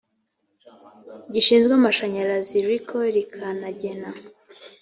gishinzwe amashanyarazi reco rikanagena